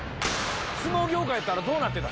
相撲業界やったらどうなってた？